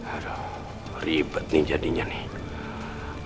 harap ribet nih jadinya nih